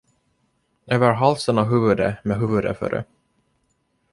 Över halsen och huvudet med huvudet före